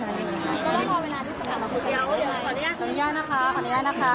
ก็ไม่พอเวลาที่จะมาคุยกันเลย